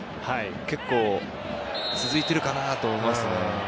結構、続いているかなと思います。